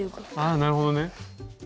あなるほどね。